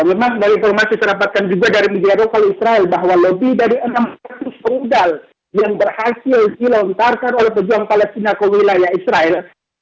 memang dari informasi saya dapatkan juga dari media lokal israel bahwa lebih dari enam ratus rudal yang berhasil dilontarkan oleh pejuang palestina ke wilayah israel